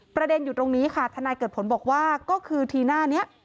ประเด็นอยู่ตรงนี้ค่ะทนายเกิดผลบอกว่าก็คือทีหน้านี้